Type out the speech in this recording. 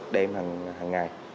đêm hàng ngày